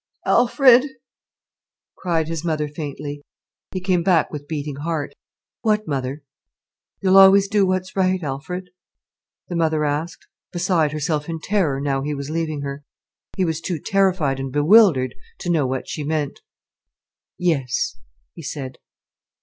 "Alfred!" cried his mother faintly. He came back with beating heart. "What, mother?" "You'll always do what's right, Alfred?" the mother asked, beside herself in terror now he was leaving her. He was too terrified and bewildered to know what she meant. "Yes," he said.